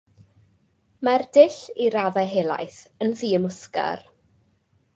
Mae'r dull, i raddau helaeth, yn ddi-ymwthgar.